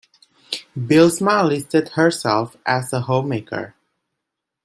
Bylsma listed herself as a homemaker.